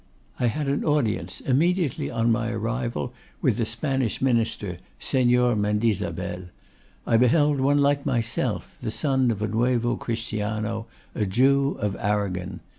I had an audience immediately on my arrival with the Spanish Minister, Senor Mendizabel; I beheld one like myself, the son of a Nuevo Christiano, a Jew of Arragon.